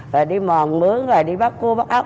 rồi đi mòn mướn rồi đi bắt cua bắt áo